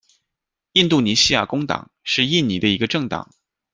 印度尼西亚工党，是印尼的一个政党。